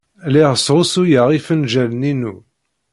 Lliɣ sɣusuyeɣ ifenjalen-inu.